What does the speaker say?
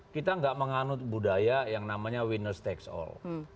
kita gak menganut budaya yang namanya winner takes all